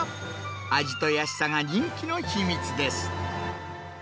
味と安さが人気の秘密です。